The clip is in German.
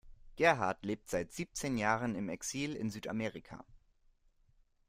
Gerhard lebt seit siebzehn Jahren im Exil in Südamerika.